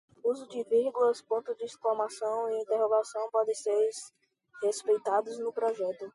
Uso de vírgulas, pontos de exclamação e interrogação devem ser respeitados no projeto